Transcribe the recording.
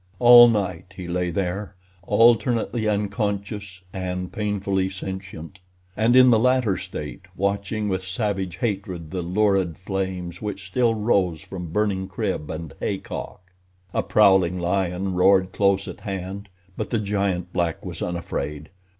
All night he lay there, alternately unconscious and painfully sentient; and in the latter state watching with savage hatred the lurid flames which still rose from burning crib and hay cock. A prowling lion roared close at hand; but the giant black was unafraid.